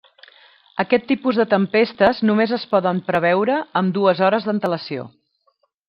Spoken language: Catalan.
Aquest tipus de tempestes només es poden preveure amb dues hores d'antelació.